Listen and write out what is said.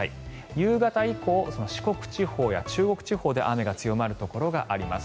夕方以降、四国地方や中国地方で雨が強まるところがあります。